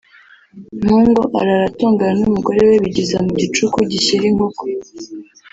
Mpongo arara atongana n’umugore we bigeza mu gicuku gishyira inkoko